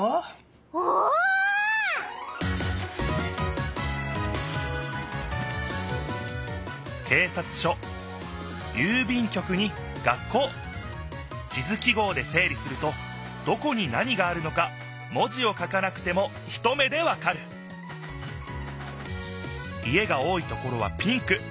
おお！警察署郵便局に学校地図記号でせい理するとどこに何があるのか文字を書かなくても一目でわかる家が多いところはピンク。